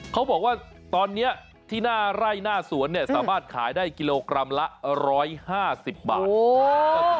เขาบอกว่าตอนนี้ที่หน้าไร่หน้าสวนเนี่ยสามารถขายได้กิโลกรัมละ๑๕๐บาท